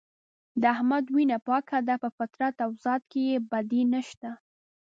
د احمد وینه پاکه ده په فطرت او ذات کې یې بدي نشته.